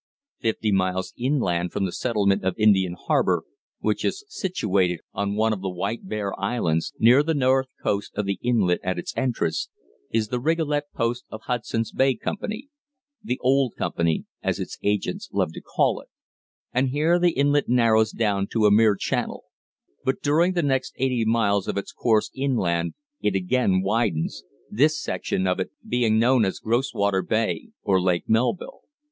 Fifty miles inland from the settlement of Indian Harbour (which is situated on one of the White Bear Islands, near the north coast of the inlet at its entrance), is the Rigolet Post of the Hudson's Bay Company the "Old Company," as its agents love to call it and here the inlet narrows down to a mere channel; but during the next eighty miles of its course inland it again widens, this section of it being known as Groswater Bay or Lake Melville.